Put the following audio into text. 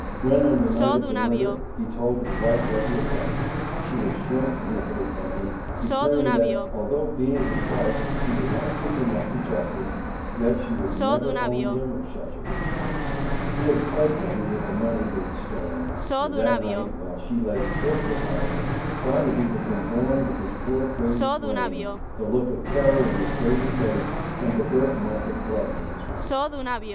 When, on the night of the murder, he told his wife what he had done, she had shrunk fearfully from him, declaring that, although being his wife she would not give him up to justice, yet she would never own him or shelter him. He had fled then with the money he had stolen, and that night, while she lay sick with horror, Barnaby had been born with his poor crazed brain, the look of terror in his baby face and the birth mark of blood on his wrist.